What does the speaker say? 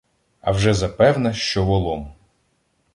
А вже запевне що волом: